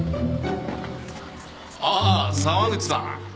ああ沢口さん。